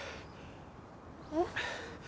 えっ？